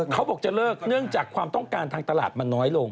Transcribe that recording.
เขาบอกจะเลิกเนื่องจากความต้องการทางตลาดมันน้อยลง